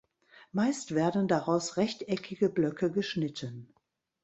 Meist werden daraus rechteckige Blöcke geschnitten.